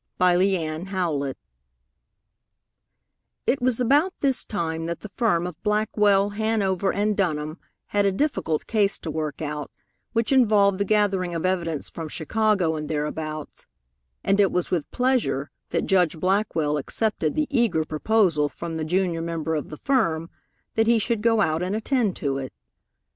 IX It was about this time that the firm of Blackwell, Hanover & Dunham had a difficult case to work out which involved the gathering of evidence from Chicago and thereabouts, and it was with pleasure that Judge Blackwell accepted the eager proposal from the junior member of the firm that he should go out and attend to it.